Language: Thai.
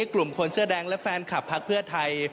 กลุ่มคนเสื้อแดงและแฟนคลับพักเพื่อไทย